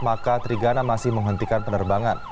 maka trigana masih menghentikan penerbangan